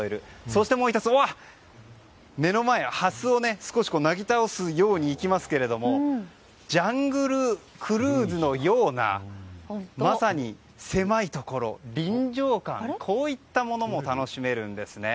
そしてもう１つ目の前、ハスを少しなぎ倒すように行きますけどジャングルクルーズのようなまさに狭いところ臨場感、こういったものも楽しめるんですね。